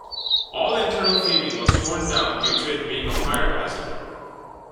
All internal theming was torn down due to it being a fire hazard.